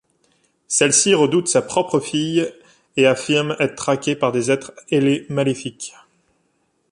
Celle-ci redoute sa propre fille et affirme être traquée par des êtres ailés maléfiques.